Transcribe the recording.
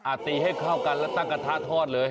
ตีให้เข้ากันแล้วตั้งกระทะทอดเลย